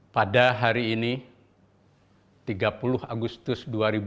pada hari ini tiga puluh agustus dua ribu dua puluh